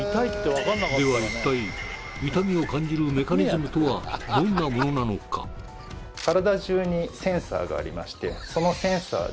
では一体痛みを感じるメカニズムとはどんなものなのかえっ何？